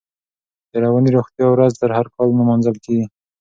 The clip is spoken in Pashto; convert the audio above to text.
د رواني روغتیا ورځ هر کال نمانځل کېږي.